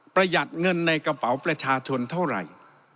ประหยัดเงินในกระเป๋าประชาชนเท่าไหร่